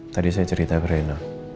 tadi saya cerita ke rena